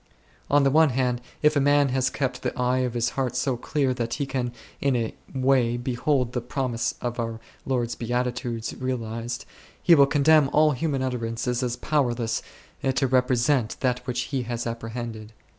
On the one hand, if a man has kept the eye of his heart so clear that he can in a way behold the promise of our Lord's Beatitudes realized, he will condemn all human utterance as powerless to represent that which he has apprehended.